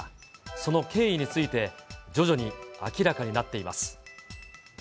その経緯について、徐々に明らかになっています。